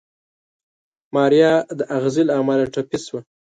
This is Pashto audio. ماريا د اغزي له امله ټپي شوه.